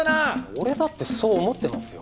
俺だってそう思ってますよ